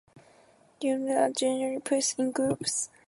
Groynes are generally placed in groups.